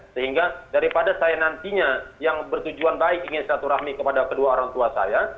sehingga daripada saya nantinya yang bertujuan baik ingin selaturahmi kepada kedua orang tua saya